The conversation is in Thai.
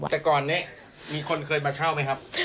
แต่ก่อนนี้มีคนเคยมาเช่าไหมครับ